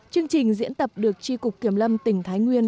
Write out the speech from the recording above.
chương trình diễn tập được tri cục kiểm lâm tỉnh thái nguyên